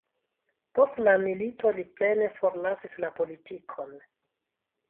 Post la milito li plene forlasis la politikon.